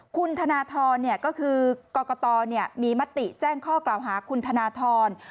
คุณธนทรก็คือกรกตมีมติแจ้งข้อกล่าวหาคุณธนทร